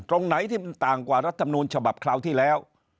ตรงไหนที่มันต่างกว่ารัฐมนูลฉบับคราวที่แล้ว